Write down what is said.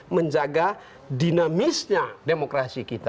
menjaga dinamisnya demokrasi kita